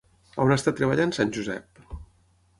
On està treballant sant Josep?